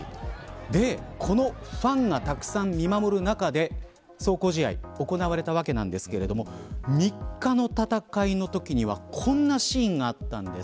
このファンがたくさん見守る中で壮行試合が行われたわけなんですが日韓の戦いのときにはこんなシーンがあったんです。